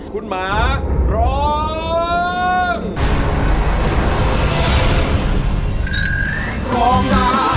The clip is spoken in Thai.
คุณหมาร้อง